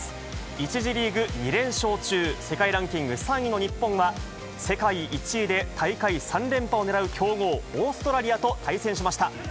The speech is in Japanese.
１次リーグ２連勝中、世界ランキング３位の日本は、世界１位で大会３連覇をねらう強豪、オーストラリアと対戦しました。